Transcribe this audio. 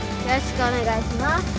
よろしくお願いします。